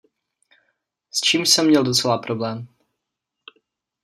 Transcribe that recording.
S čímž jsem měl docela problém.